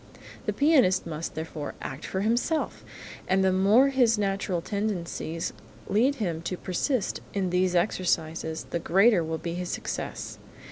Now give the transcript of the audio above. The pianist must, therefore, act for himself, and the more his natural tendencies lead him to persist in these exercises the greater will be his success.